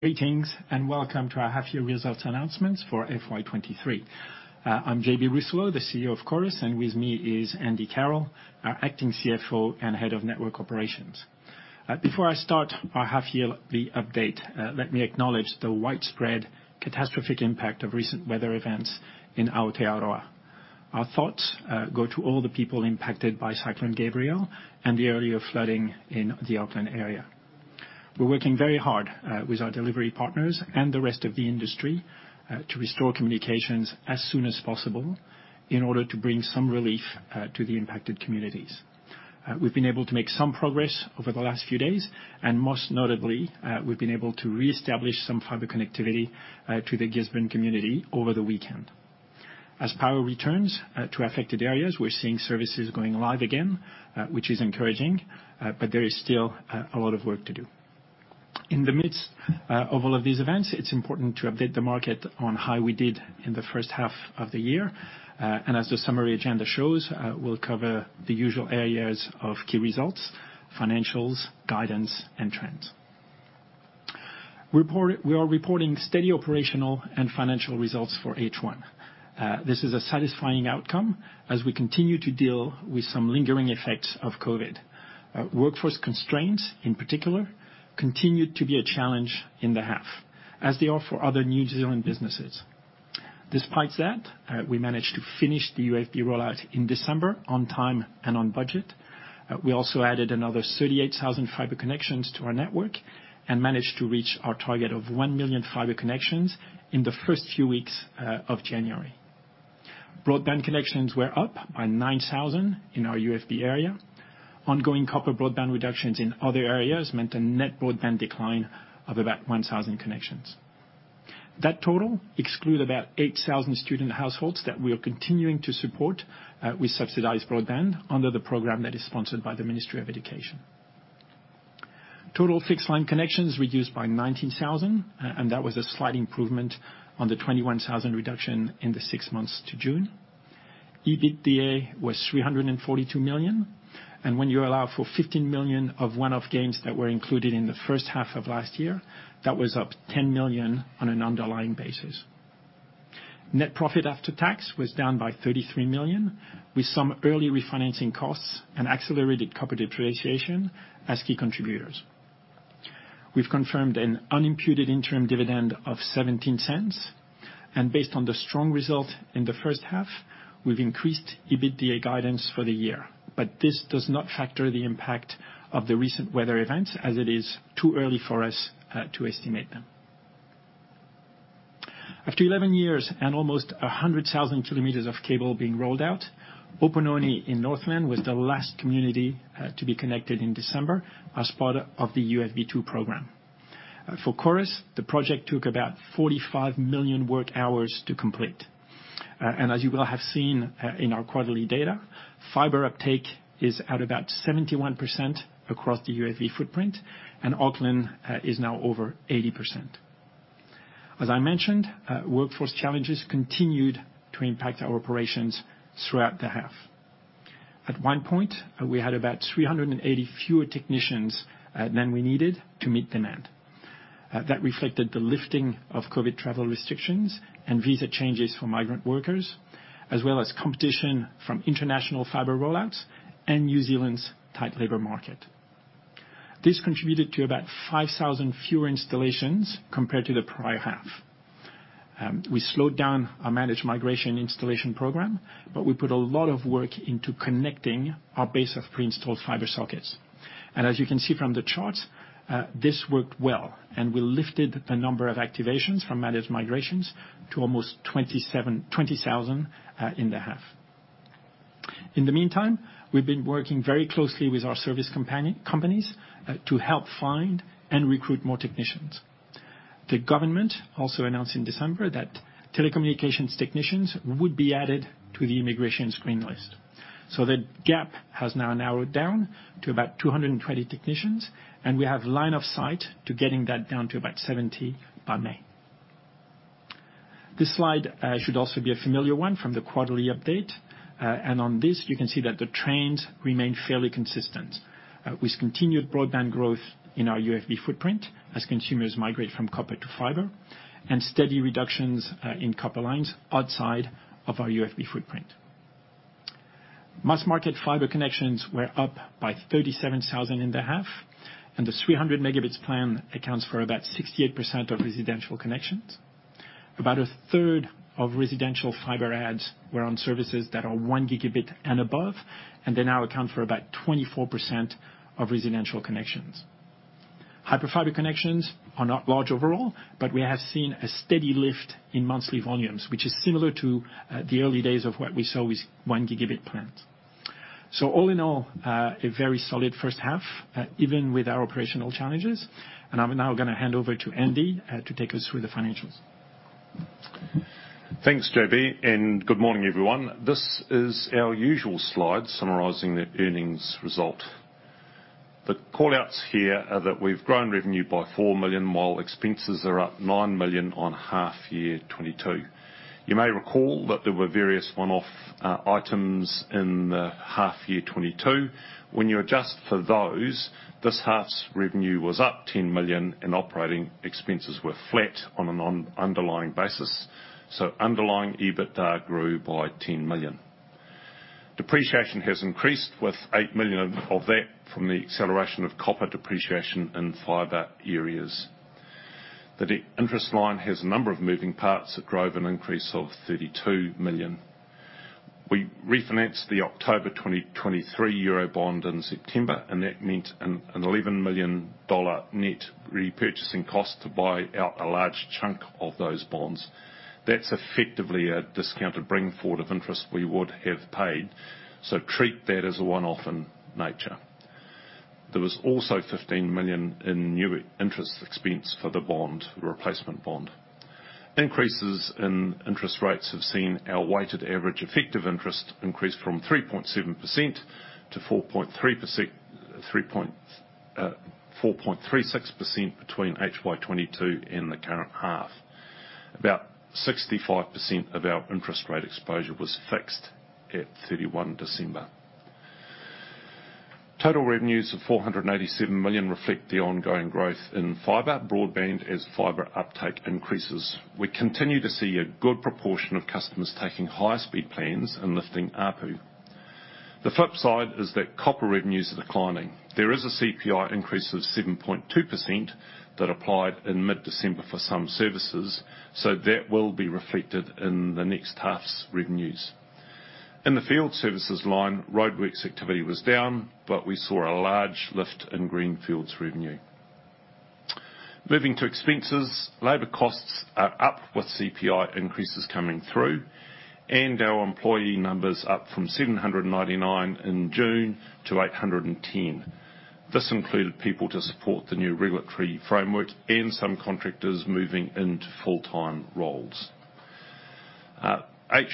Greetings, welcome to our half year results announcements for FY23. I'm JB Rousselot, the CEO of Chorus. With me is Andy Carroll, our Acting CFO and Head of Network Operations. Before I start our half yearly update, let me acknowledge the widespread catastrophic impact of recent weather events in Aotearoa. Our thoughts go to all the people impacted by Cyclone Gabrielle and the earlier flooding in the Auckland area. We're working very hard with our delivery partners and the rest of the industry to restore communications as soon as possible in order to bring some relief to the impacted communities. We've been able to make some progress over the last few days. Most notably, we've been able to reestablish some fibre connectivity to the Gisborne community over the weekend. As power returns to affected areas, we're seeing services going live again, which is encouraging. There is still a lot of work to do. In the midst of all of these events, it's important to update the market on how we did in the first half of the year. As the summary agenda shows, we'll cover the usual areas of key results, financials, guidance, and trends. We are reporting steady operational and financial results for H1. This is a satisfying outcome as we continue to deal with some lingering effects of COVID. Workforce constraints, in particular, continued to be a challenge in the half, as they are for other New Zealand businesses. Despite that, we managed to finish the UFB rollout in December on time and on budget. We also added another 38,000 fibre connections to our network and managed to reach our target of 1 million fibre connections in the first few weeks of January. Broadband connections were up by 9,000 in our UFB area. Ongoing copper broadband reductions in other areas meant a net broadband decline of about 1,000 connections. That total exclude about 8,000 student households that we are continuing to support with subsidized broadband under the program that is sponsored by the Ministry of Education. Total fixed line connections reduced by 19,000, and that was a slight improvement on the 21,000 reduction in the six months to June. EBITDA was 342 million, and when you allow for 15 million of one-off gains that were included in the first half of last year, that was up 10 million on an underlying basis. Net profit after tax was down by 33 million, with some early refinancing costs and accelerated copper depreciation as key contributors. We've confirmed an unimputed interim dividend of 0.17, based on the strong result in the first half, we've increased EBITDA guidance for the year. This does not factor the impact of the recent weather events as it is too early for us to estimate them. After 11 years and almost 100,000 kilometers of cable being rolled out, Opononi in Northland was the last community to be connected in December as part of the UFB2 program. For Chorus, the project took about 45 million work hours to complete. As you will have seen, in our quarterly data, fiber uptake is at about 71% across the UFB footprint, and Auckland is now over 80%. As I mentioned, workforce challenges continued to impact our operations throughout the half. At one point, we had about 380 fewer technicians than we needed to meet demand. That reflected the lifting of COVID travel restrictions and visa changes for migrant workers, as well as competition from international fiber rollouts and New Zealand's tight labor market. This contributed to about 5,000 fewer installations compared to the prior half. We slowed down our Managed Migration installation program, but we put a lot of work into connecting our base of pre-installed fiber sockets. As you can see from the charts, this worked well, and we lifted the number of activations from Managed Migrations to almost 20,000 in the half. In the meantime, we've been working very closely with our service companies to help find and recruit more technicians. The government also announced in December that telecommunications technicians would be added to the immigration Green List. The gap has now narrowed down to about 220 technicians, and we have line of sight to getting that down to about 70 by May. This slide should also be a familiar one from the quarterly update. And on this, you can see that the trends remain fairly consistent with continued broadband growth in our UFB footprint as consumers migrate from copper to fiber, and steady reductions in copper lines outside of our UFB footprint. Mass market fiber connections were up by 37,000 in the half, and the 300 megabits plan accounts for about 68% of residential connections. About a third of residential fibre adds were on services that are 1 gigabit and above, and they now account for about 24% of residential connections. Hyperfibre connections are not large overall, but we have seen a steady lift in monthly volumes, which is similar to the early days of what we saw with 1 gigabit plans. All in all, a very solid first half, even with our operational challenges, and I'm now going to hand over to Andy to take us through the financials. Thanks, JB. Good morning, everyone. This is our usual slide summarizing the earnings result. The call-outs here are that we've grown revenue by 4 million, while expenses are up 9 million on half year 2022. You may recall that there were various one-off items in the half year 2022. When you adjust for those, this half's revenue was up 10 million, and operating expenses were flat on an un-underlying basis. Underlying EBITDA grew by 10 million. Depreciation has increased with 8 million of that from the acceleration of copper depreciation in fibre areas. The interest line has a number of moving parts that drove an increase of 32 million. We refinanced the October 2023 Eurobond in September, and that meant an 11 million dollar net repurchasing cost to buy out a large chunk of those bonds. That's effectively a discounted bring forward of interest we would have paid. Treat that as a one-off in nature. There was also 15 million in new interest expense for the bond, replacement bond. Increases in interest rates have seen our weighted average effective interest increase from 3.7% to 4.36% between HY 2022 and the current half. About 65% of our interest rate exposure was fixed at 31 December. Total revenues of 487 million reflect the ongoing growth in fibre broadband as fibre uptake increases. We continue to see a good proportion of customers taking higher speed plans and lifting ARPU. The flip side is that copper revenues are declining. There is a CPI increase of 7.2% that applied in mid-December for some services, so that will be reflected in the next half's revenues. In the field services line, roadworks activity was down. We saw a large lift in Greenfields revenue. Moving to expenses, labor costs are up with CPI increases coming through. Our employee numbers up from 799 in June to 810. This included people to support the new regulatory framework. Some contractors moving into full-time roles. HY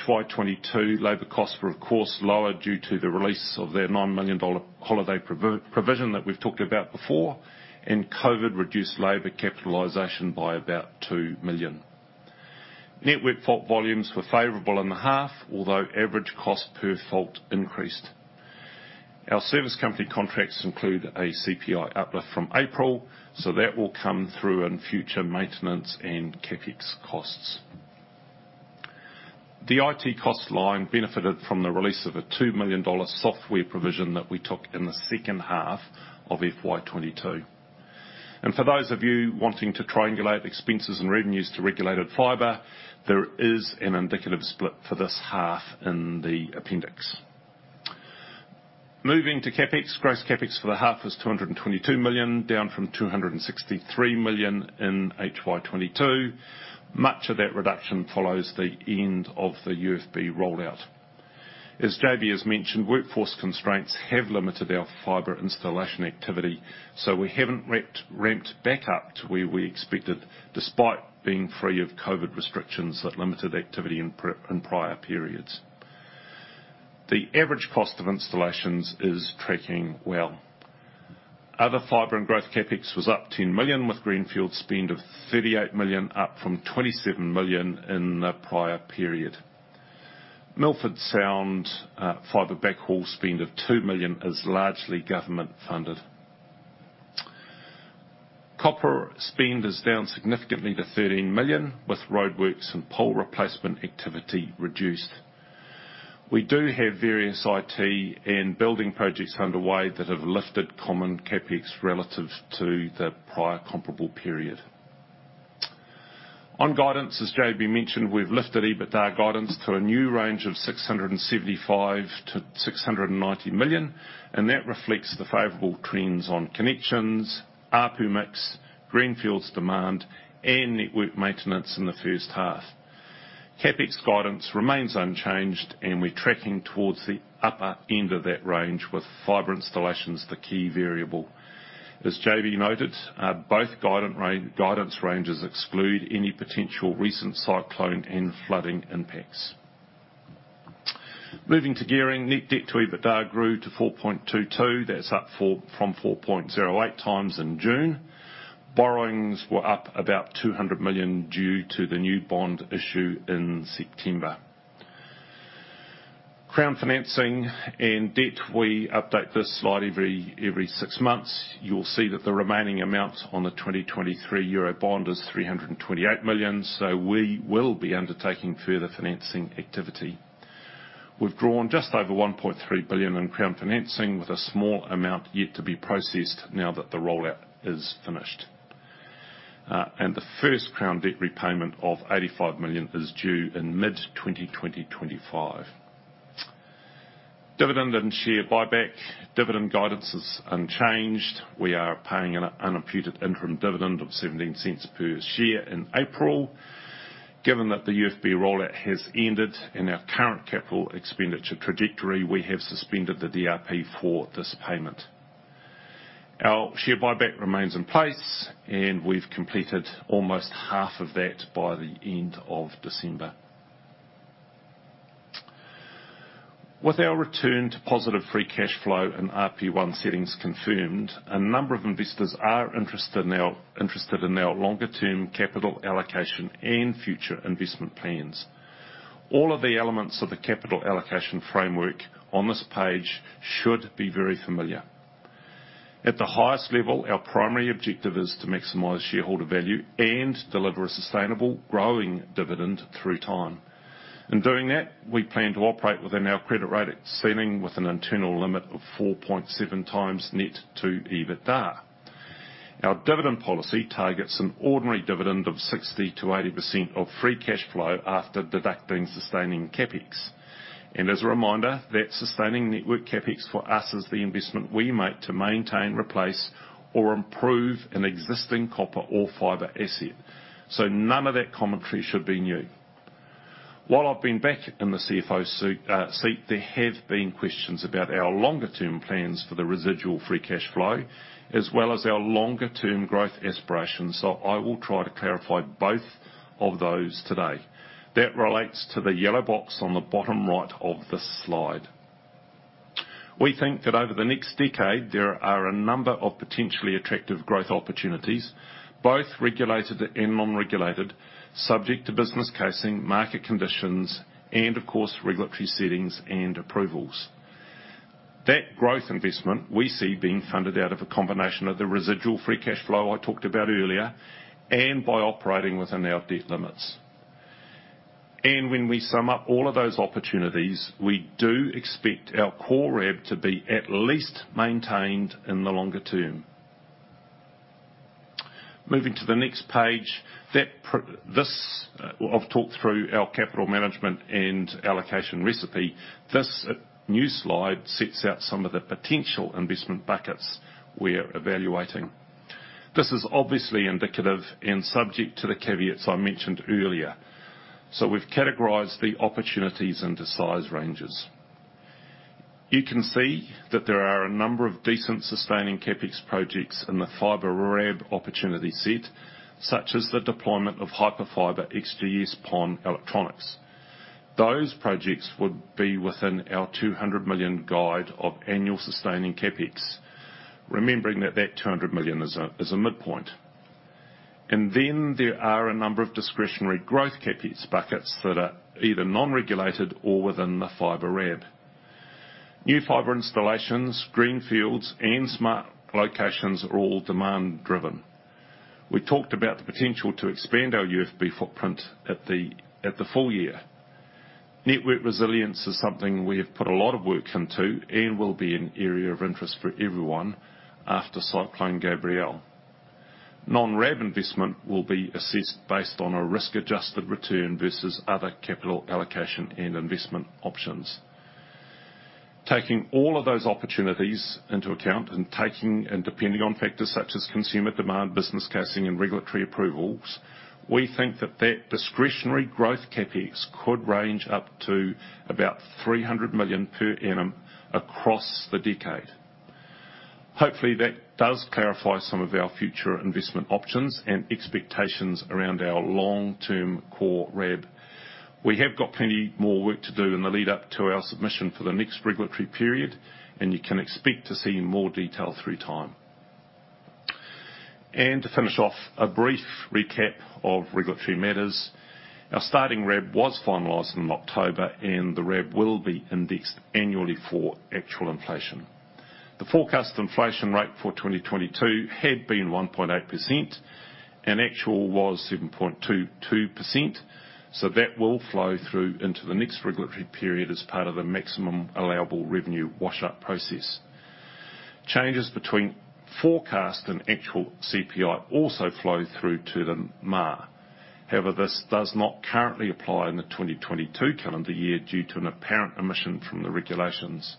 2022 labor costs were of course lower due to the release of their $9 million holiday provision that we've talked about before. COVID reduced labor capitalization by about $2 million. Net work fault volumes were favorable in the half, although average cost per fault increased. Our service company contracts include a CPI uplift from April, so that will come through in future maintenance and CapEx costs. The IT cost line benefited from the release of a 2 million dollar software provision that we took in the second half of FY22. For those of you wanting to triangulate expenses and revenues to regulated fibre, there is an indicative split for this half in the appendix. Moving to CapEx. Gross CapEx for the half was 222 million, down from 263 million in HY22. Much of that reduction follows the end of the UFB rollout. As JB has mentioned, workforce constraints have limited our fibre installation activity, so we haven't ramped back up to where we expected, despite being free of COVID restrictions that limited activity in prior periods. The average cost of installations is tracking well. Other fiber and growth CapEx was up 10 million, with greenfield spend of 38 million, up from 27 million in the prior period. Milford Sound, fiber backhaul spend of 2 million is largely government funded. Copper spend is down significantly to 13 million, with roadworks and pole replacement activity reduced. We do have various IT and building projects underway that have lifted common CapEx relative to the prior comparable period. On guidance, as JB mentioned, we've lifted EBITDA guidance to a new range of 675 million-690 million, and that reflects the favorable trends on connections, ARPU mix, Greenfields demand, and network maintenance in the first half. CapEx guidance remains unchanged, and we're tracking towards the upper end of that range with fiber installations the key variable. As JB noted, both guidance ranges exclude any potential recent cyclone and flooding impacts. Moving to gearing, net debt to EBITDA grew to 4.22. That's up 4 from 4.08 times in June. Borrowings were up about 200 million due to the new bond issue in September. Crown financing and debt, we update this slide every six months. You'll see that the remaining amounts on the 2023 Eurobond is 328 million, we will be undertaking further financing activity. We've drawn just over 1.3 billion in Crown financing with a small amount yet to be processed now that the rollout is finished. The first Crown debt repayment of 85 million is due in mid-2025. Dividend and share buyback. Dividend guidance is unchanged. We are paying an unimputed interim dividend of 0.17 per share in April. Given that the UFB rollout has ended and our current capital expenditure trajectory, we have suspended the DRP for this payment. Our share buyback remains in place, and we've completed almost half of that by the end of December. Our return to positive free cash flow and RP1 settings confirmed, a number of investors are interested in our longer-term capital allocation and future investment plans. All of the elements of the capital allocation framework on this page should be very familiar. At the highest level, our primary objective is to maximize shareholder value and deliver a sustainable growing dividend through time. In doing that, we plan to operate within our credit rating ceiling with an internal limit of 4.7x net to EBITDA. Our dividend policy targets an ordinary dividend of 60%-80% of free cash flow after deducting sustaining CapEx. As a reminder, that sustaining network CapEx for us is the investment we make to maintain, replace, or improve an existing copper or fiber asset. None of that commentary should be new. While I've been back in the CFO suit, seat, there have been questions about our longer-term plans for the residual free cash flow, as well as our longer-term growth aspirations, I will try to clarify both of those today. That relates to the yellow box on the bottom right of the slide. We think that over the next decade, there are a number of potentially attractive growth opportunities, both regulated and non-regulated, subject to business casing, market conditions, and of course, regulatory settings and approvals. That growth investment we see being funded out of a combination of the residual free cash flow I talked about earlier and by operating within our debt limits. When we sum up all of those opportunities, we do expect our core RAB to be at least maintained in the longer term. Moving to the next page, I've talked through our capital management and allocation recipe. This new slide sets out some of the potential investment buckets we're evaluating. This is obviously indicative and subject to the caveats I mentioned earlier. We've categorized the opportunities into size ranges. You can see that there are a number of decent sustaining CapEx projects in the fiber RAB opportunity set, such as the deployment of Hyperfibre XGS-PON electronics. Those projects would be within our 200 million guide of annual sustaining CapEx. Remembering that 200 million is a midpoint. There are a number of discretionary growth CapEx buckets that are either non-regulated or within the fiber RAB. New fiber installations, Greenfields, and smart locations are all demand-driven. We talked about the potential to expand our UFB footprint at the full year. Network resilience is something we have put a lot of work into and will be an area of interest for everyone after Cyclone Gabrielle. Non-RAB investment will be assessed based on a risk-adjusted return versus other capital allocation and investment options. Taking all of those opportunities into account and depending on factors such as consumer demand, business casing, and regulatory approvals, we think that that discretionary growth CapEx could range up to about 300 million per annum across the decade. Hopefully, that does clarify some of our future investment options and expectations around our long-term core RAB. We have got plenty more work to do in the lead-up to our submission for the next Regulatory Period. You can expect to see more detail through time. To finish off, a brief recap of Regulatory matters. Our starting RAB was finalized in October, the RAB will be indexed annually for actual inflation. The forecast inflation rate for 2022 had been 1.8%, actual was 7.22%, that will flow through into the next Regulatory Period as part of the maximum allowable revenue wash up process. Changes between forecast and actual CPI also flow through to the MAR. However, this does not currently apply in the 2022 calendar year due to an apparent omission from the regulations.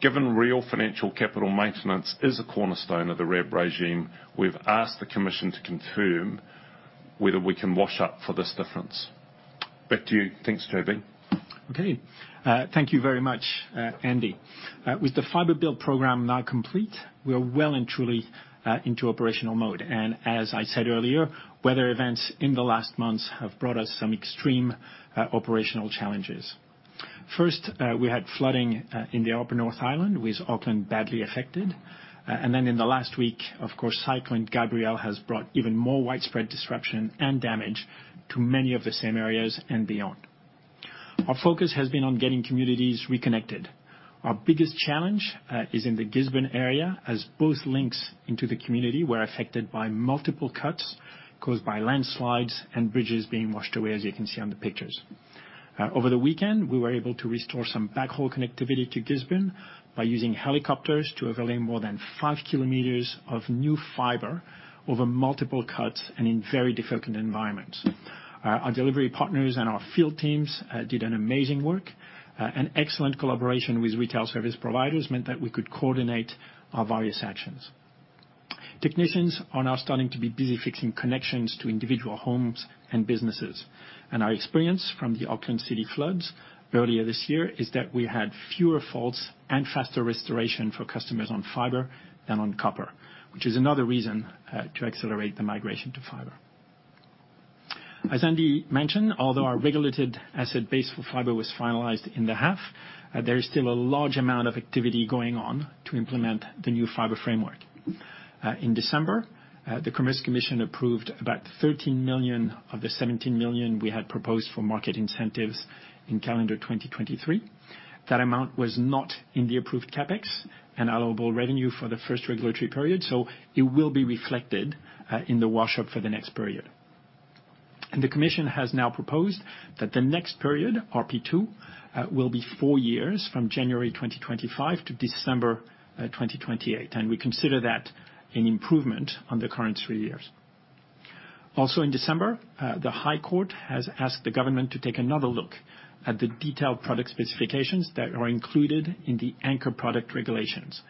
Given real financial capital maintenance is a cornerstone of the RAB regime, we've asked the Commission to confirm whether we can wash up for this difference. Back to you. Thanks, JB. Okay. Thank you very much, Andy. With the fibre build program now complete, we are well and truly into operational mode. As I said earlier, weather events in the last months have brought us some extreme operational challenges. First, we had flooding in the Upper North Island, with Auckland badly affected. In the last week, of course, Cyclone Gabrielle has brought even more widespread disruption and damage to many of the same areas and beyond. Our focus has been on getting communities reconnected. Our biggest challenge is in the Gisborne area, as both links into the community were affected by multiple cuts caused by landslides and bridges being washed away, as you can see on the pictures. Over the weekend, we were able to restore some backhaul connectivity to Gisborne by using helicopters to overlay more than five kilometers of new fibre over multiple cuts and in very difficult environments. Our delivery partners and our field teams did an amazing work, and excellent collaboration with Retail Service Providers meant that we could coordinate our various actions. Technicians are now starting to be busy fixing connections to individual homes and businesses. Our experience from the Auckland City floods earlier this year is that we had fewer faults and faster restoration for customers on fibre than on copper, which is another reason to accelerate the migration to fibre. As Andy mentioned, although our regulated asset base for fibre was finalized in the half, there is still a large amount of activity going on to implement the new fibre framework. In December, the Commerce Commission approved about 13 million of the 17 million we had proposed for market incentives in calendar 2023. That amount was not in the approved CapEx and allowable revenue for the first regulatory period. It will be reflected in the wash-up for the next period. The Commission has now proposed that the next period, RP2, will be four years from January 2025 to December 2028, and we consider that an improvement on the current three years. Also in December, the High Court has asked the government to take another look at the detailed product specifications that are included in the anchor product regulations.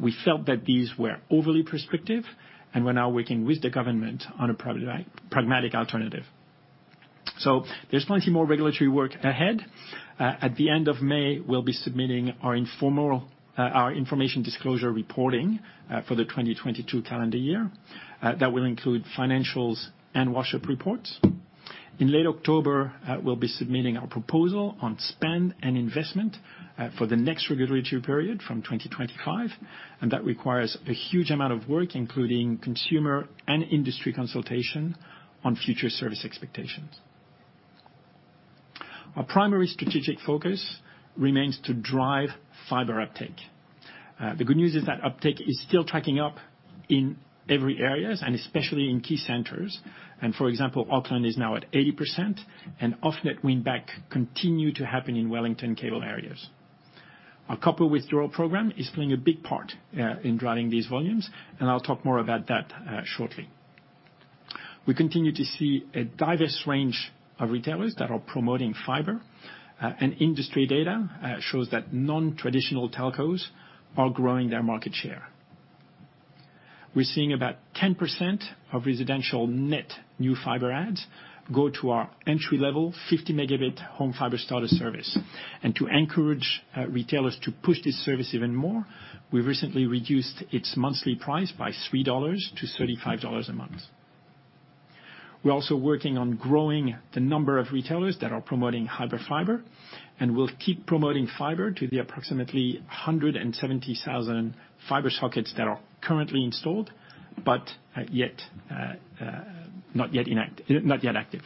We felt that these were overly prescriptive, and we're now working with the government on a pragmatic alternative. There's plenty more regulatory work ahead. At the end of May, we'll be submitting our information disclosure reporting for the 2022 calendar year. That will include financials and wash-up reports. In late October, we'll be submitting our proposal on spend and investment for the next regulatory period from 2025, and that requires a huge amount of work, including consumer and industry consultation on future service expectations. Our primary strategic focus remains to drive fibre uptake. The good news is that uptake is still tracking up in every areas, and especially in key centers. For example, Auckland is now at 80%, and off-net win-back continue to happen in Wellington cable areas. Our copper withdrawal program is playing a big part in driving these volumes, and I'll talk more about that shortly. We continue to see a diverse range of retailers that are promoting fibre, and industry data shows that non-traditional telcos are growing their market share. We're seeing about 10% of residential net new fibre adds go to our entry-level 50 megabit Home Fibre Starter service. To encourage retailers to push this service even more, we recently reduced its monthly price by $3 to $35 a month. We're also working on growing the number of retailers that are promoting Hyperfibre, and we'll keep promoting fibre to the approximately 170,000 fibre sockets that are currently installed, but not yet active.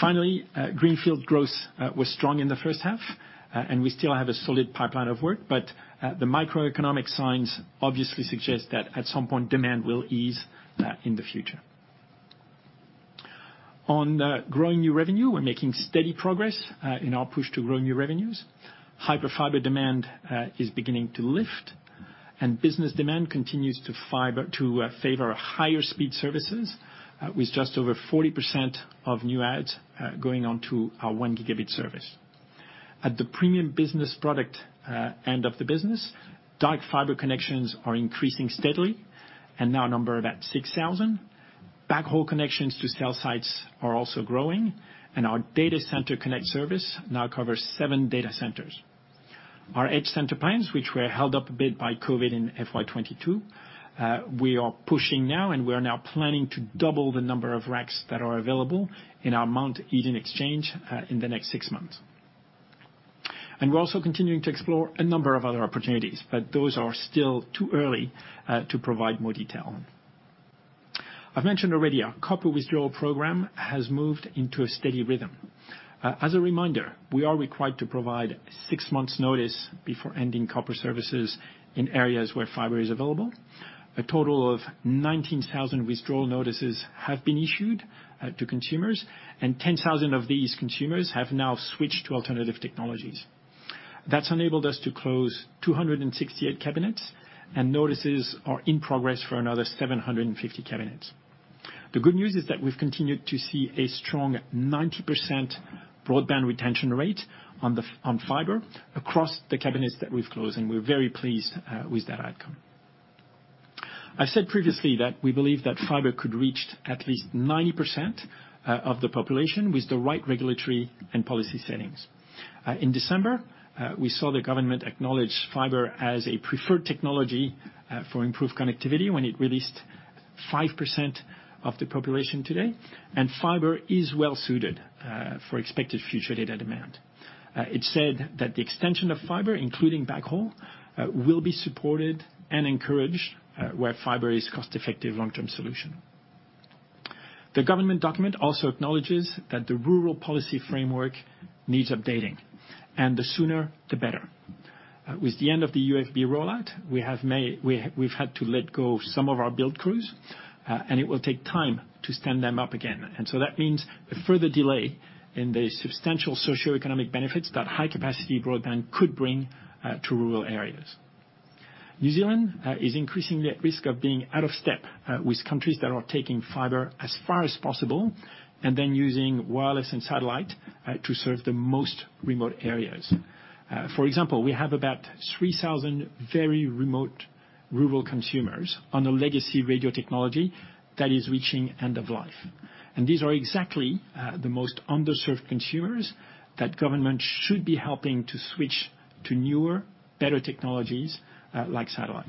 Finally, greenfield growth was strong in the first half, and we still have a solid pipeline of work, but the microeconomic signs obviously suggest that at some point, demand will ease in the future. On growing new revenue, we're making steady progress in our push to grow new revenues. Hyperfibre demand is beginning to lift, and business demand continues to favor higher speed services, with just over 40% of new adds going onto our 1 gigabit service. At the premium business product end of the business, dark fibre connections are increasing steadily and now number about 6,000. Backhaul connections to cell sites are also growing, and our Data Centre Connect service now covers seven data centers. Our EdgeCentre plans, which were held up a bit by COVID in FY22, we are pushing now. We are now planning to double the number of racks that are available in our Mount Eden exchange in the next six months. We're also continuing to explore a number of other opportunities, but those are still too early to provide more detail. I've mentioned already our copper withdrawal program has moved into a steady rhythm. As a reminder, we are required to provide 6 months' notice before ending copper services in areas where fiber is available. A total of 19,000 withdrawal notices have been issued to consumers, and 10,000 of these consumers have now switched to alternative technologies. That's enabled us to close 268 cabinets, and notices are in progress for another 750 cabinets. The good news is that we've continued to see a strong 90% broadband retention rate on the fibre across the cabinets that we've closed, and we're very pleased with that outcome. I've said previously that we believe that fibre could reach at least 90% of the population with the right regulatory and policy settings. In December, we saw the government acknowledge fibre as a preferred technology for improved connectivity when it released 5% of the population today, and fibre is well suited for expected future data demand. It said that the extension of fibre, including backhaul, will be supported and encouraged where fibre is cost-effective long-term solution. The government document also acknowledges that the rural policy framework needs updating, the sooner, the better. With the end of the UFB rollout, we've had to let go of some of our build crews, and it will take time to stand them up again. That means a further delay in the substantial socioeconomic benefits that high-capacity broadband could bring to rural areas. New Zealand is increasingly at risk of being out of step with countries that are taking fibre as far as possible and then using wireless and satellite to serve the most remote areas. For example, we have about 3,000 very remote rural consumers on a legacy radio technology that is reaching end of life. These are exactly the most underserved consumers that government should be helping to switch to newer, better technologies, like satellite.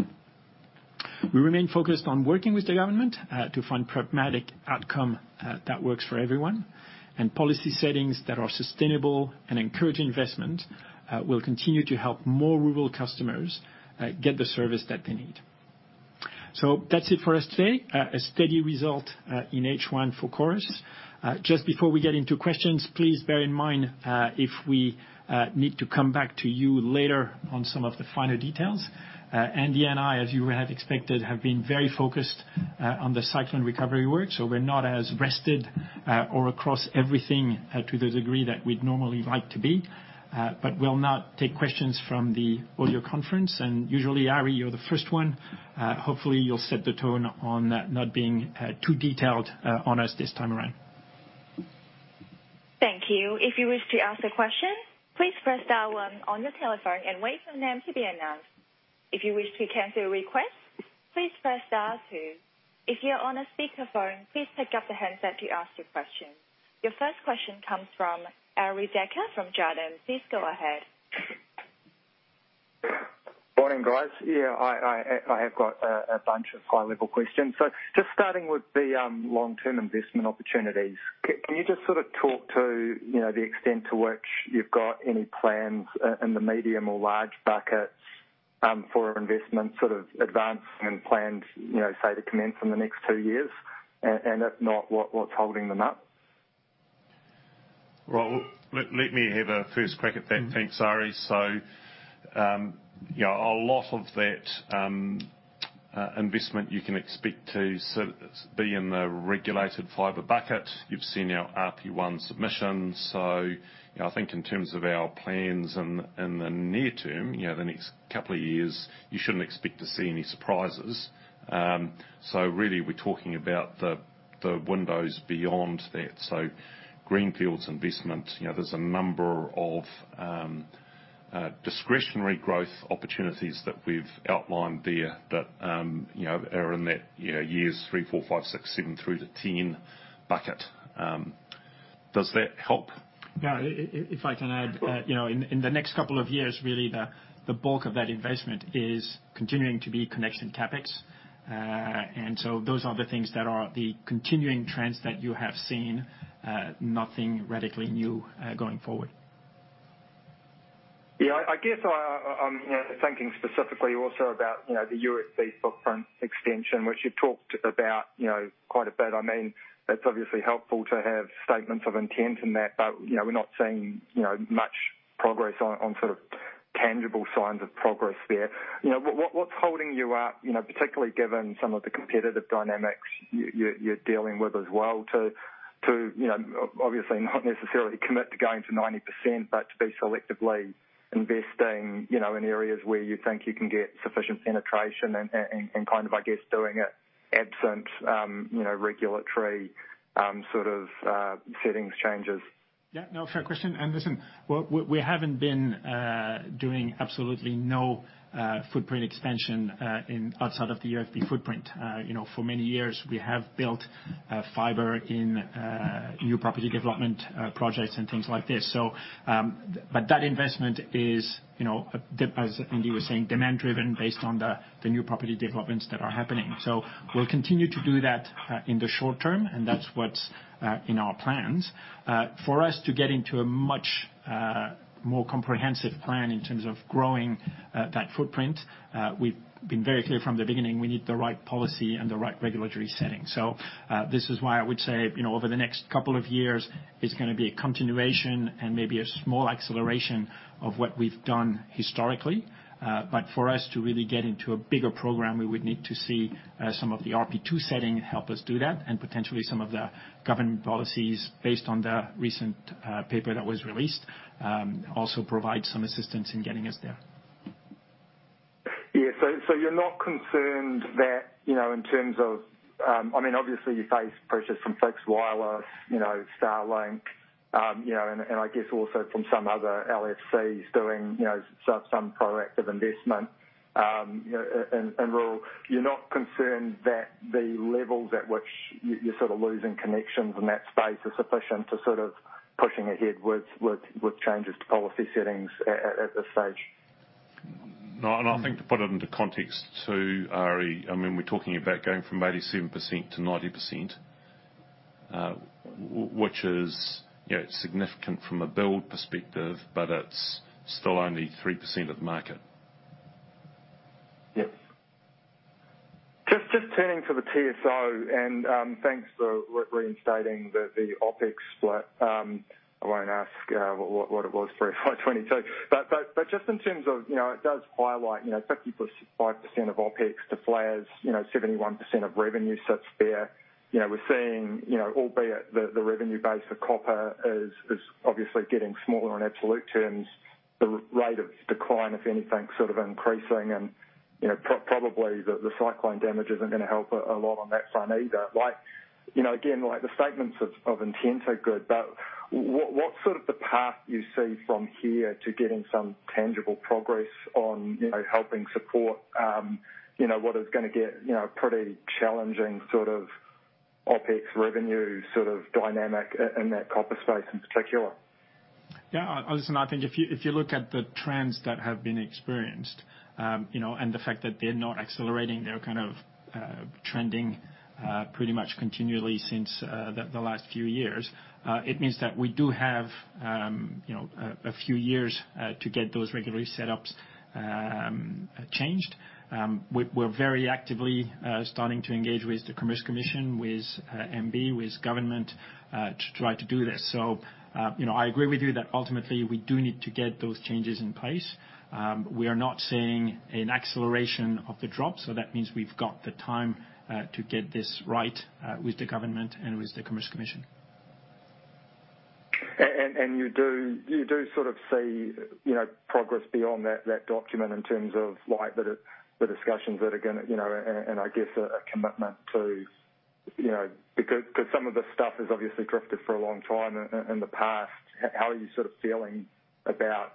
We remain focused on working with the government to find pragmatic outcome that works for everyone, and policy settings that are sustainable and encourage investment will continue to help more rural customers get the service that they need. That's it for us today. A steady result in H1 for Chorus. Just before we get into questions, please bear in mind, if we need to come back to you later on some of the finer details. Andy and I, as you have expected, have been very focused on the cyclone recovery work, so we're not as rested or across everything to the degree that we'd normally like to be. Will now take questions from the audio conference. Usually, Arie, you're the first one. Hopefully you'll set the tone on not being too detailed on us this time around. Thank you. If you wish to ask a question, please press star one on your telephone and wait for your name to be announced. If you wish to cancel your request, please press star two. If you're on a speakerphone, please pick up the handset to ask your question. Your first question comes from Arie Dekker from Jarden. Please go ahead. Morning, guys. Yeah, I have got a bunch of high-level questions. Just starting with the long-term investment opportunities. Can you just sort of talk to, you know, the extent to which you've got any plans in the medium or large buckets, for investment sort of advancing and planned, you know, say to commence in the next two years? If not, what's holding them up? Well, let me have a first crack at that. Mm-hmm. Thanks, Ari. Yeah, a lot of that investment you can expect to be in the regulated fiber bucket. You've seen our RP1 submission. You know, I think in terms of our plans in the near term, you know, the next couple of years, you shouldn't expect to see any surprises. Really we're talking about the windows beyond that. Greenfields investment, you know, there's a number of discretionary growth opportunities that we've outlined there that, you know, are in that, you know, years three, four, five, six, seven through to 10 bucket. Does that help? Yeah, if I can add, you know, in the next couple of years, really the bulk of that investment is continuing to be connection CapEx. Those are the things that are the continuing trends that you have seen, nothing radically new going forward. Yeah, I guess I'm, you know, thinking specifically also about, you know, the UFB footprint extension, which you talked about, you know, quite a bit. I mean, that's obviously helpful to have statements of intent in that, but, you know, we're not seeing, you know, much progress on sort of tangible signs of progress there. You know, what's holding you up, you know, particularly given some of the competitive dynamics you're dealing with as well to, you know, obviously not necessarily commit to going to 90%, but to be selectively investing, you know, in areas where you think you can get sufficient penetration and kind of, I guess, doing it absent, you know, regulatory sort of settings changes? Yeah, no, fair question. Listen, we haven't been doing absolutely no footprint expansion in outside of the UFB footprint. You know, for many years we have built fibre in new property development projects and things like this. That investment is, you know, as Andy was saying, demand driven based on the new property developments that are happening. We'll continue to do that in the short term, and that's what's in our plans. For us to get into a much more comprehensive plan in terms of growing that footprint, we've been very clear from the beginning we need the right policy and the right regulatory setting. This is why I would say, you know, over the next couple of years, it's gonna be a continuation and maybe a small acceleration of what we've done historically. For us to really get into a bigger program, we would need to see some of the RP2 setting help us do that and potentially some of the government policies based on the recent paper that was released, also provide some assistance in getting us there. Yeah. You're not concerned that, you know, in terms of, I mean, obviously you face pressures from fixed wireless, you know, Starlink, you know, and, I guess also from some other LFCs doing, you know, some proactive investment in rural, you're not concerned that the levels at which you're sort of losing connections in that space are sufficient to sort of pushing ahead with changes to policy settings at this stage? I think to put it into context too, Ari, I mean, we're talking about going from 87% to 90%, which is, you know, significant from a build perspective, but it's still only 3% of the market. Yep. Just turning to the TSO, thanks for reinstating the OpEx split. I won't ask what it was for FY 2022. Just in terms of, you know, it does highlight, you know, 50.5% of OpEx to fibre, you know, 71% of revenue sits there. You know, we're seeing, you know, albeit the revenue base for copper is obviously getting smaller in absolute terms, the rate of decline, if anything, sort of increasing and, you know, probably the cyclone damage isn't gonna help a lot on that front either. Like, you know, again, like the statements of intent are good, but what's sort of the path you see from here to getting some tangible progress on, you know, helping support, you know, what is gonna get, you know, pretty challenging sort of OpEx revenue sort of dynamic in that copper space in particular? Alison, I think if you look at the trends that have been experienced, you know, and the fact that they're not accelerating, they're kind of trending pretty much continually since the last few years, it means that we do have, you know, a few years to get those regulatory setups changed. We're very actively starting to engage with the Commerce Commission, with MBIE, with government to try to do this. You know, I agree with you that ultimately we do need to get those changes in place. We are not seeing an acceleration of the drop, so that means we've got the time to get this right with the government and with the Commerce Commission. You do sort of see, you know, progress beyond that document in terms of like the discussions that are gonna, you know, and I guess a commitment to, you know, 'cause some of this stuff has obviously drifted for a long time in the past. How are you sort of feeling about,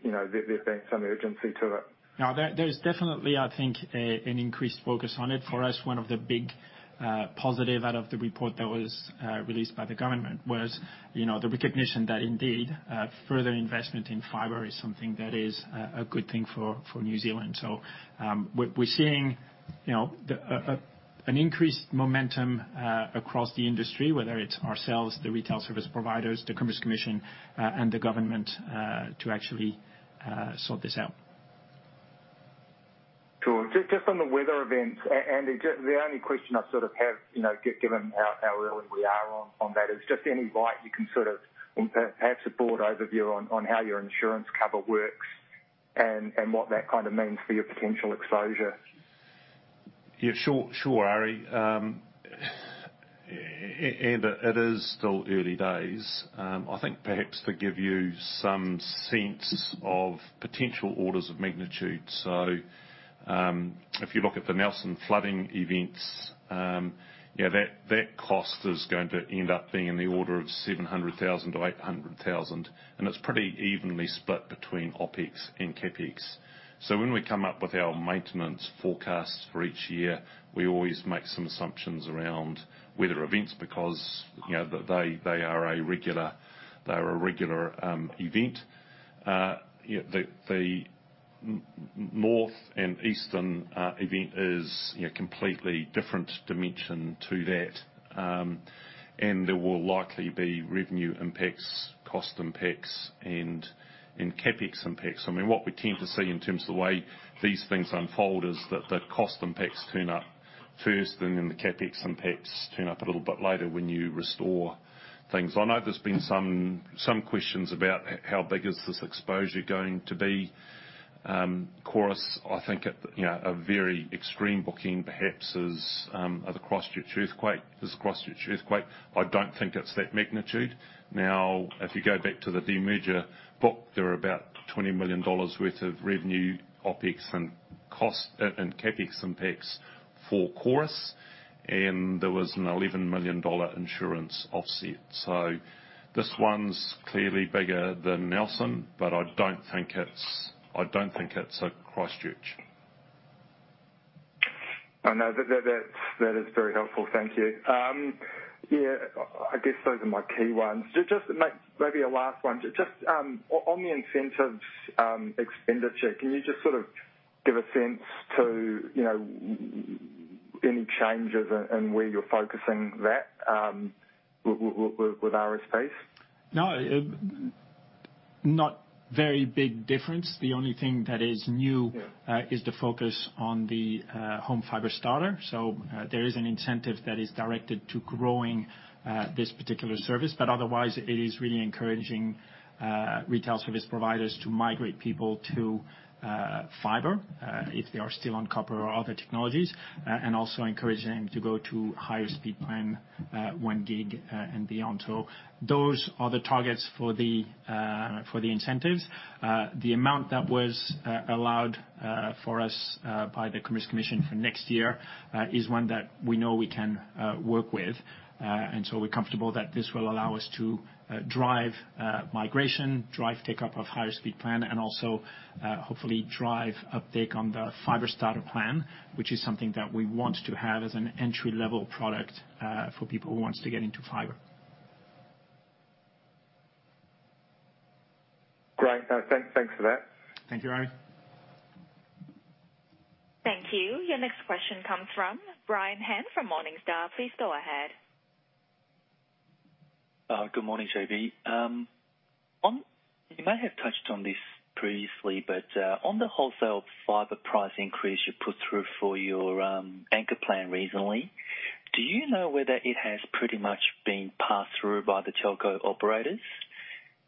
you know, there being some urgency to it? No, there's definitely, I think, an increased focus on it. For us, one of the big positive out of the report that was released by the government was, you know, the recognition that indeed further investment in fiber is something that is a good thing for New Zealand. We're seeing, you know, an increased momentum across the industry, whether it's ourselves, the retail service providers, the Commerce Commission, and the government to actually sort this out. Cool. Just on the weather events, Andy, the only question I sort of have, you know, given how early we are on that, is just any light you can sort of perhaps a broad overview on how your insurance cover works and what that kind of means for your potential exposure? Yeah, sure. Sure, Ari. And it is still early days. I think perhaps to give you some sense of potential orders of magnitude. If you look at the Nelson flooding events, yeah, that cost is going to end up being in the order of 700,000-800,000, and it's pretty evenly split between OpEx and CapEx. When we come up with our maintenance forecasts for each year, we always make some assumptions around weather events because, you know, they are a regular event. The north and eastern event is, you know, completely different dimension to that. There will likely be revenue impacts, cost impacts, and CapEx impacts. I mean, what we tend to see in terms of the way these things unfold is that the cost impacts turn up first, and then the CapEx impacts turn up a little bit later when you restore things. I know there's been some questions about how big is this exposure going to be. Chorus, I think at, you know, a very extreme booking, perhaps is the Christchurch earthquake, this Christchurch earthquake. I don't think it's that magnitude. Now, if you go back to the demerger book, there are about 20 million dollars worth of revenue, OpEx, and cost, and CapEx impacts for Chorus. There was an 11 million dollar insurance offset. This one's clearly bigger than Nelson, but I don't think it's a Christchurch. I know. That's, that is very helpful. Thank you. Yeah, I guess those are my key ones. Just maybe a last one. Just on the incentives, expenditure, can you just sort of give a sense to, you know, any changes in where you're focusing that, with RSPs? No, not very big difference. The only thing that is. Yeah... is the focus on the Home Fibre Starter. There is an incentive that is directed to growing this particular service, but otherwise it is really encouraging retail service providers to migrate people to fiber if they are still on copper or other technologies, and also encouraging to go to higher speed plan, 1 gig, and beyond. Those are the targets for the incentives. The amount that was allowed for us by the Commerce Commission for next year is one that we know we can work with. We're comfortable that this will allow us to drive migration, drive take up of higher speed plan and also hopefully drive uptake on the Home Fibre Starter plan, which is something that we want to have as an entry-level product for people who wants to get into fibre. Great. Thanks. Thanks for that. Thank you, Ari. Thank you. Your next question comes from Brian Han from Morningstar. Please go ahead. Good morning, JB. You may have touched on this previously, but on the wholesale fiber price increase you put through for your anchor plan recently, do you know whether it has pretty much been passed through by the telco operators?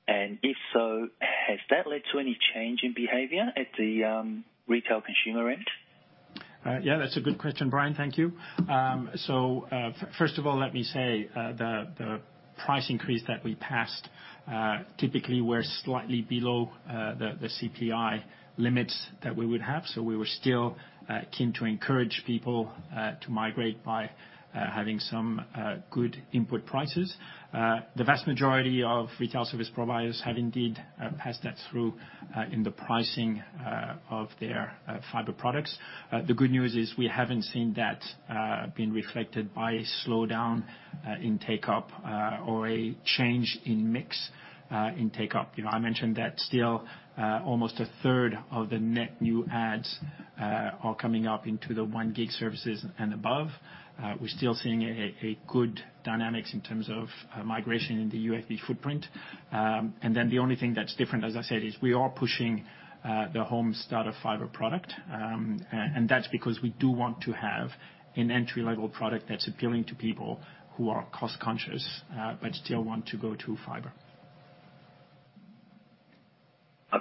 If so, has that led to any change in behavior at the retail consumer end? Yeah, that's a good question, Brian. Thank you. First of all, let me say, the price increase that we passed typically were slightly below the CPI limits that we would have. We were still keen to encourage people to migrate by having some good input prices. The vast majority of Retail Service Providers have indeed passed that through in the pricing of their fiber products. The good news is we haven't seen that being reflected by a slowdown in take-up or a change in mix in take-up. You know, I mentioned that still almost a third of the net new adds are coming up into the 1 gig services and above. We're still seeing a good dynamics in terms of migration in the UFB footprint. The only thing that's different, as I said, is we are pushing the Home Fibre Starter product. That's because we do want to have an entry-level product that's appealing to people who are cost-conscious, but still want to go to fiber.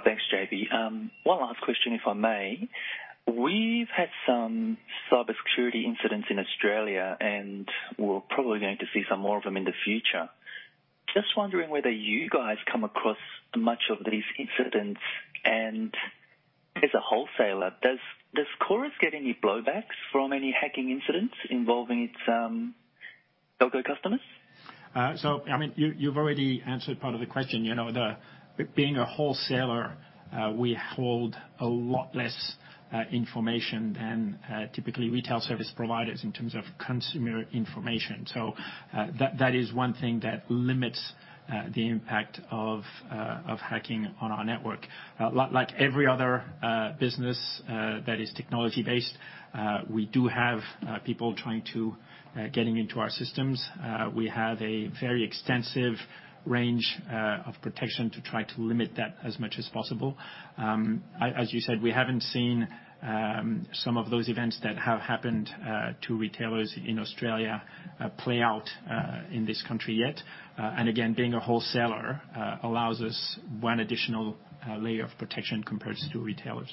Thanks, JB. One last question, if I may. We've had some cybersecurity incidents in Australia, and we're probably going to see some more of them in the future. Just wondering whether you guys come across much of these incidents. As a wholesaler, does Chorus get any blowbacks from any hacking incidents involving its telco customers? I mean, you've already answered part of the question. You know, being a wholesaler, we hold a lot less information than typically retail service providers in terms of consumer information. That, that is one thing that limits the impact of hacking on our network. Like, like every other business that is technology-based, we do have people trying to get into our systems. We have a very extensive range of protection to try to limit that as much as possible. As you said, we haven't seen some of those events that have happened to retailers in Australia play out in this country yet. Being a wholesaler, allows us one additional layer of protection compared to retailers.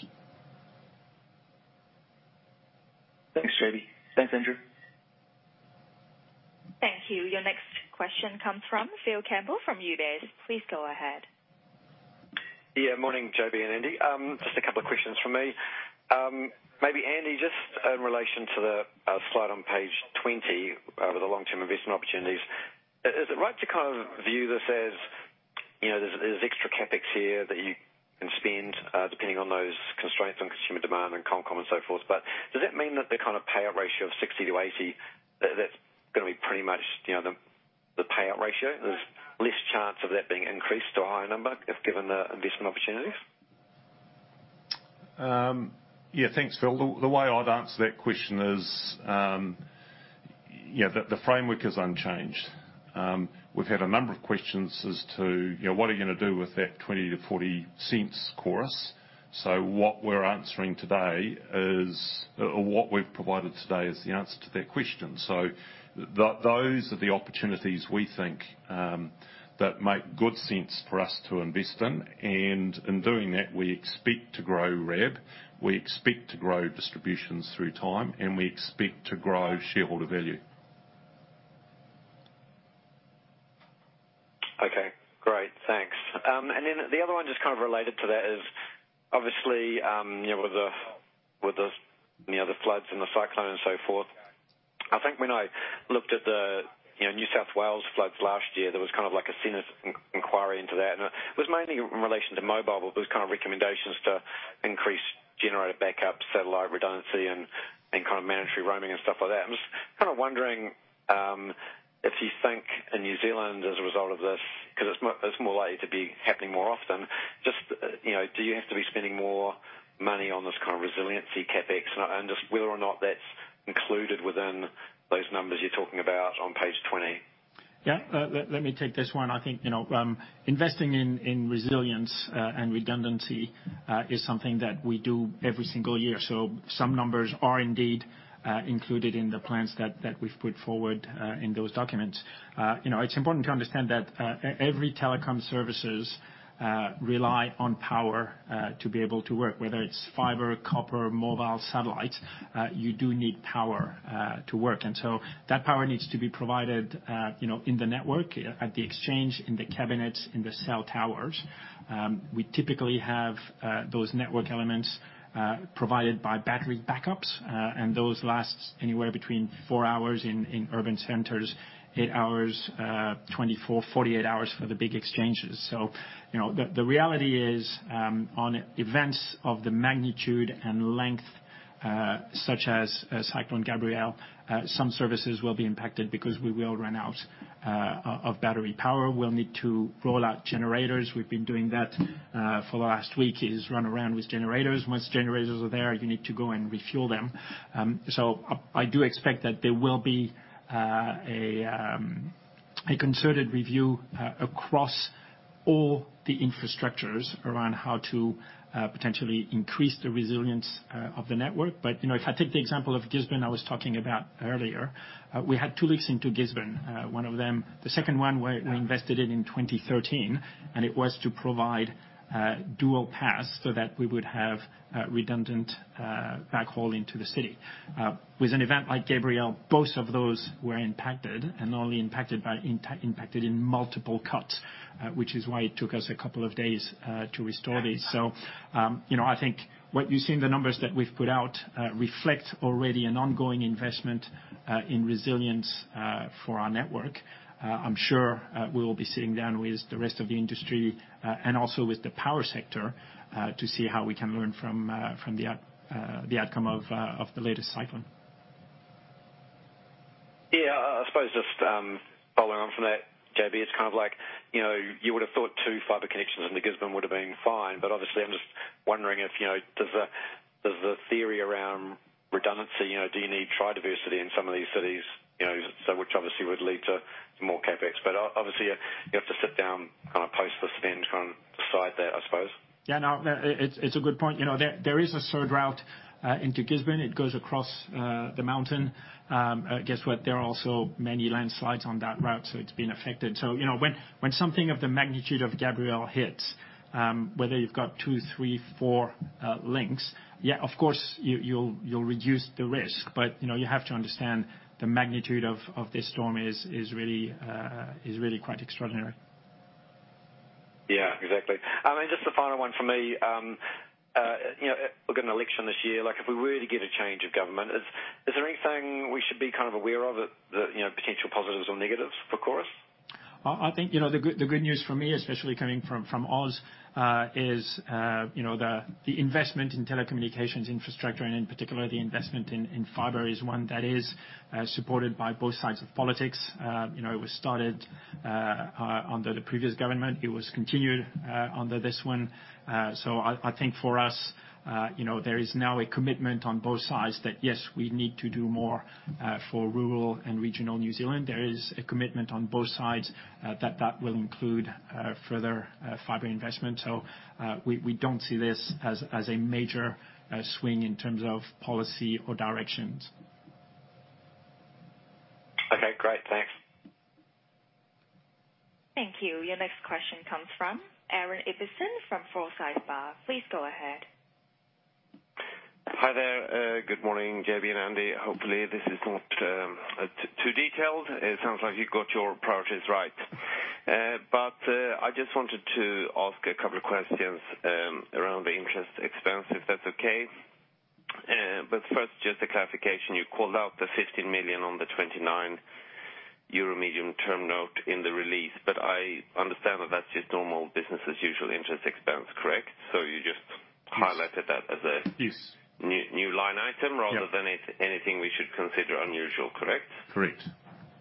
Thanks, JB. Thanks, Andrew. Thank you. Your next question comes from Phil Campbell from UBS. Please go ahead. Yeah. Morning, JB and Andy. Just a couple of questions from me. Maybe Andy, just in relation to the slide on page 20, with the long-term investment opportunities, is it right to kind of view this as, you know, there's extra CapEx here that you can spend, depending on those constraints on consumer demand and ComCom and so forth? Does that mean that the kind of payout ratio of 60%-80%, that's gonna be pretty much, you know, the payout ratio? There's less chance of that being increased to a higher number if given the investment opportunities? Yeah. Thanks, Phil. The way I'd answer that question is, yeah, the framework is unchanged. We've had a number of questions as to, you know, what are you gonna do with that 0.20-0.40, Chorus? What we're answering today is, or what we've provided today is the answer to that question. Those are the opportunities we think that make good sense for us to invest in. In doing that, we expect to grow REV, we expect to grow distributions through time, and we expect to grow shareholder value. Okay, great. Thanks. The other one just kind of related to that is obviously, you know, with the, you know, the floods and the cyclone and so forth, I think when I looked at the, you know, New South Wales floods last year, there was kind of like a senate inquiry into that. It was mainly in relation to mobile. There was kind of recommendations to increase generator backup, satellite redundancy and kind of mandatory roaming and stuff like that. I'm just kind of wondering, if you think in New Zealand as a result of this, 'cause it's more likely to be happening more often, just, you know, do you have to be spending more money on this kind of resiliency CapEx and just whether or not that's included within those numbers you're talking about on page 20? Yeah. Let me take this one. I think, you know, investing in resilience and redundancy is something that we do every single year. Some numbers are indeed included in the plans that we've put forward in those documents. You know, it's important to understand that every telecom services rely on power to be able to work, whether it's fibre, copper, mobile, satellite, you do need power to work. That power needs to be provided, you know, in the network, at the exchange, in the cabinets, in the cell towers. We typically have those network elements provided by battery backups, and those lasts anywhere between four hours in urban centers, 8 hours, 24, 48 hours for the big exchanges. You know, the reality is, on events of the magnitude and length such as Cyclone Gabrielle, some services will be impacted because we will run out of battery power. We'll need to roll out generators. We've been doing that for the last week, is run around with generators. Once generators are there, you need to go and refuel them. I do expect that there will be a concerted review across all the infrastructures around how to potentially increase the resilience of the network. You know, if I take the example of Gisborne I was talking about earlier, we had two leaks into Gisborne. The second one where we invested in 2013, and it was to provide a dual path so that we would have a redundant backhaul into the city. With an event like Cyclone Gabrielle, both of those were impacted and only impacted in multiple cuts. Which is why it took us a couple of days to restore these. You know, I think what you see in the numbers that we've put out reflect already an ongoing investment in resilience for our network. I'm sure we'll be sitting down with the rest of the industry and also with the power sector to see how we can learn from the outcome of the latest cyclone. Yeah. I suppose just, following on from that, JB, it's kind of like, you know, you would have thought two fibre connections into Gisborne would have been fine, but obviously, I'm just wondering if, you know, does the, does the theory around redundancy, you know, do you need tri-diversity in some of these cities, you know, so which obviously would lead to more CapEx? Obviously, you have to sit down kind of post this spend to kind of decide that, I suppose. No. It's a good point. You know, there is a third route into Gisborne. It goes across the mountain. Guess what? There are also many landslides on that route, so it's been affected. You know, when something of the magnitude of Gabrielle hits, whether you've got two, three, four links, yeah, of course, you'll reduce the risk. You know, you have to understand the magnitude of this storm is really quite extraordinary. Yeah, exactly. I mean, just the final one for me. You know, we've got an election this year. Like, if we were to get a change of government, is there anything we should be kind of aware of, you know, potential positives or negatives for Chorus? I think, you know, the good news for me, especially coming from Oz, you know, the investment in telecommunications infrastructure, and in particular, the investment in fiber, is one that is supported by both sides of politics. You know, it was started under the previous government. It was continued under this one. I think for us, you know, there is now a commitment on both sides that, yes, we need to do more for rural and regional New Zealand. There is a commitment on both sides that will include further fiber investment. We don't see this as a major swing in terms of policy or directions. Okay, great. Thanks. Thank you. Your next question comes from Arie Dekker from Jarden. Please go ahead. Hi there. Good morning, JB and Andy. Hopefully, this is not too detailed. It sounds like you've got your priorities right. I just wanted to ask a couple of questions around the interest expense, if that's okay. First, just a clarification. You called out the 15 million on the 2029 Euro Medium-Term Note in the release, but I understand that that's just normal business as usual interest expense, correct? You just Yes. highlighted that as Yes ...new line item Yeah. rather than it's anything we should consider unusual, correct? Correct.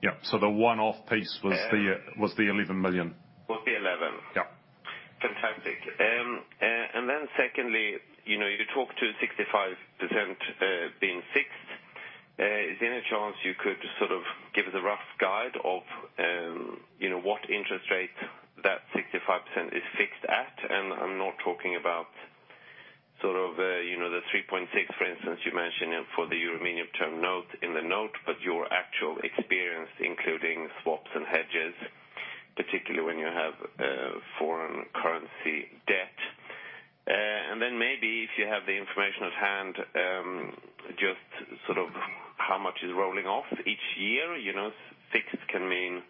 Yeah. The one-off piece was. Um- was the 11 million. Was the 11. Yeah. Fantastic. Secondly, you know, you talked to 65% being fixed. Is there any chance you could sort of give us a rough guide of, you know, what interest rate that 65% is fixed at? I'm not talking about sort of, you know, the 3.6, for instance, you mentioned it for the Euro Medium-Term Note in the note. Your actual experience, including swaps and hedges, particularly when you have foreign currency debt. Maybe if you have the information at hand, just sort of how much is rolling off each year. You know, fixed can mean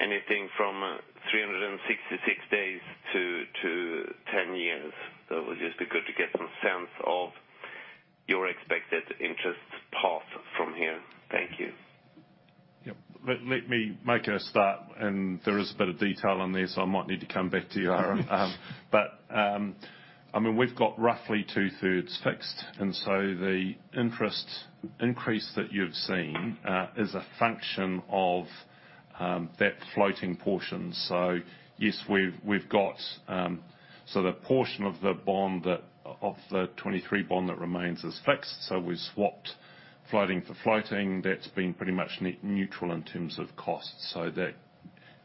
anything from 366 days to 10 years. It would just be good to get some sense of your expected interest path from here. Thank you. Let me make a start. There is a bit of detail on there, I might need to come back to you, Ari. I mean, we've got roughly two-thirds fixed, the interest increase that you've seen is a function of that floating portion. Yes, we've got the portion of the bond of the 2023 bond that remains is fixed. We've swapped floating for floating. That's been pretty much neutral in terms of cost. That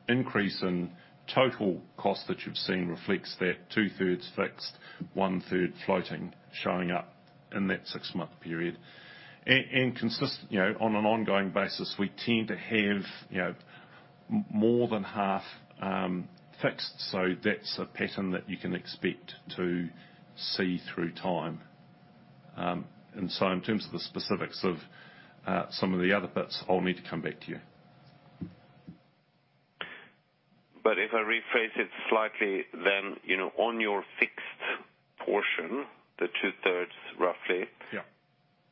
increase in total cost that you've seen reflects that two-thirds fixed, one-third floating, showing up in that six-month period. You know, on an ongoing basis, we tend to have, you know, more than half fixed. That's a pattern that you can expect to see through time. In terms of the specifics of some of the other bits, I'll need to come back to you. If I rephrase it slightly, then, you know, on your fixed portion, the 2/3, roughly... Yeah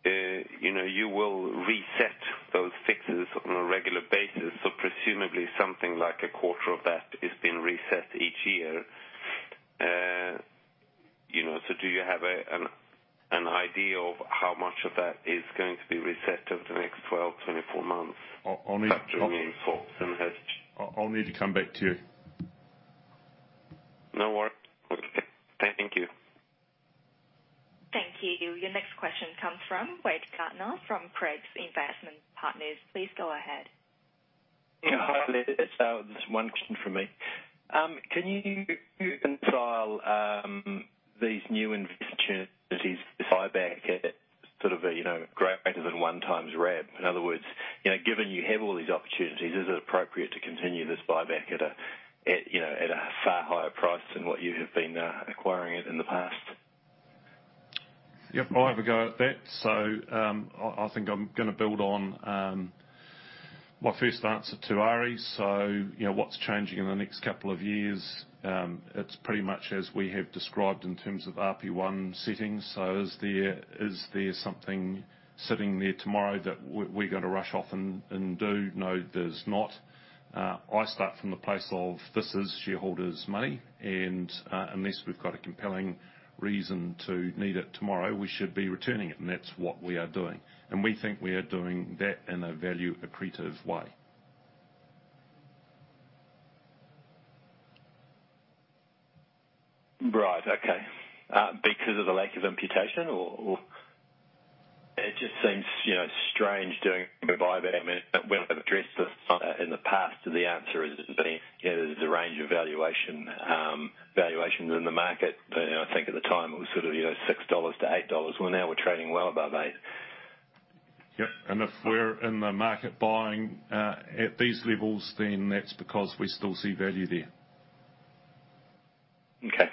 ...you know, you will reset those fixes on a regular basis. Presumably, something like a quarter of that is being reset each year. You know, do you have an idea of how much of that is going to be reset over the next 12, 24 months? I'll need... Factoring in swaps and hedges. I'll need to come back to you. No worries. Okay. Thank you. Your next question comes from Wade Koutstaal from Craigs Investment Partners. Please go ahead. Yeah. Hi. Just one question from me. Can you reconcile these new investment opportunities buyback at, sort of a, you know, greater than one times RAB? In other words, you know, given you have all these opportunities, is it appropriate to continue this buyback at a, you know, at a far higher price than what you have been acquiring it in the past? Yep, I'll have a go at that. I think I'm gonna build on my first answer to Arie. You know, what's changing in the next couple of years? It's pretty much as we have described in terms of RP1 settings. Is there, is there something sitting there tomorrow that we're gonna rush off and do? No, there's not. I start from the place of this is shareholders' money, and unless we've got a compelling reason to need it tomorrow, we should be returning it, and that's what we are doing. We think we are doing that in a value-accretive way. Right. Okay. Because of the lack of imputation or. It just seems, you know, strange doing a buyback when I've addressed this in the past, the answer has been, you know, there's a range of valuations in the market. I think at the time it was sort of, you know, 6-8 dollars. Now we're trading well above 8. Yep. If we're in the market buying at these levels, then that's because we still see value there. Okay.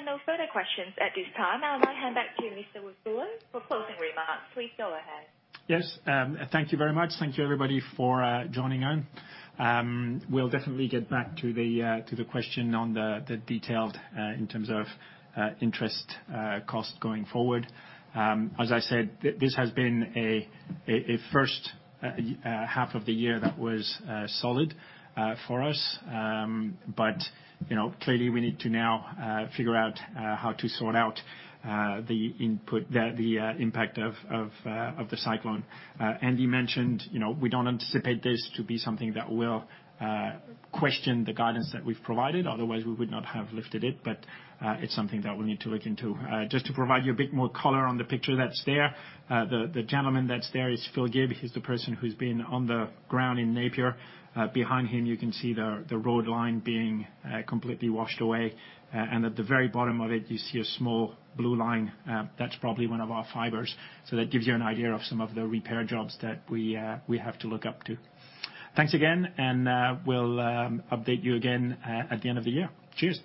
Thank you. There are no further questions at this time. I'll now hand back to Marko Bogoievski for closing remarks. Please go ahead. Yes. Thank you very much. Thank you everybody for joining in. We'll definitely get back to the to the question on the the detailed in terms of interest cost going forward. As I said, this has been a first half of the year that was solid for us. You know, clearly we need to now figure out how to sort out the impact of the cyclone. Andy mentioned, you know, we don't anticipate this to be something that will question the guidance that we've provided, otherwise we would not have lifted it. It's something that we'll need to look into. Just to provide you a bit more color on the picture that's there, the gentleman that's there is Phil Gubb. He's the person who's been on the ground in Napier. Behind him you can see the road line being completely washed away. At the very bottom of it you see a small blue line, that's probably one of our fibers. That gives you an idea of some of the repair jobs that we have to look up to. Thanks again, we'll update you again at the end of the year. Cheers.